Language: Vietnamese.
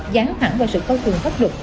dán thẳng vào sự khâu thường pháp luật